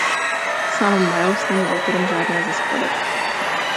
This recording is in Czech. Sám Miles není autorem žádné ze skladeb.